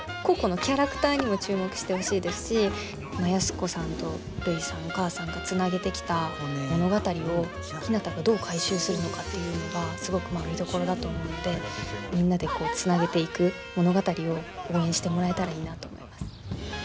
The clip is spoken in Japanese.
個々のキャラクターにも注目してほしいですし安子さんとるいさんお母さんがつなげてきた物語をひなたがどう回収するのかっていうのがすごく見どころだと思うのでみんなでつなげていく物語を応援してもらえたらいいなと思います。